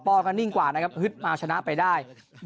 กันนิ่งกว่านะครับฮึดมาชนะไปได้